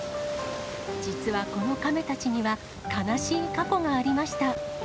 実はこのカメたちには悲しい過去がありました。